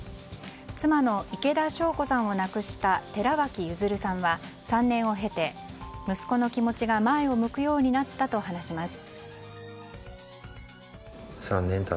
妻の池田晶子さんを亡くした寺脇譲さんは３年を経て、息子の気持ちが前を向くようになったと話します。